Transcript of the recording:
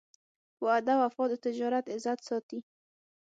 په وعده وفا د تجارت عزت ساتي.